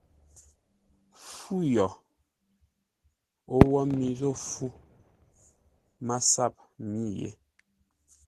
Fu yo! O wo mi zô fu, MASAP mî yé.